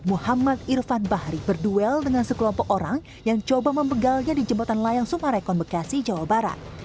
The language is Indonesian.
muhammad irfan bahri berduel dengan sekelompok orang yang coba membegalnya di jembatan layang sumarekon bekasi jawa barat